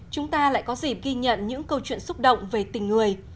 chúng ta lại có dịp ghi nhận những câu chuyện xúc động về tình người